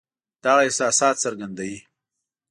دغه احساسات څرګندوي.